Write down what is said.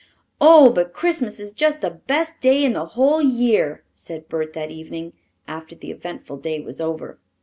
"Oh, but Christmas is just the best day in the whole year," said Bert that evening, after the eventful day was over.